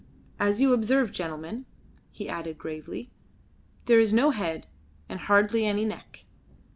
As you observe, gentlemen," he added gravely, "there is no head, and hardly any neck."